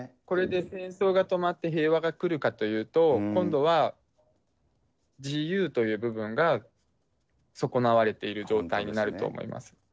これで戦争が止まって平和が来るかというと、今度は自由という部分が損なわれている状態になると思います。